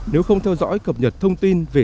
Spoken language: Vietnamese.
nếu không theo dõi cập nhật thông tin về